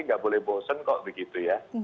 nggak boleh bosen kok begitu ya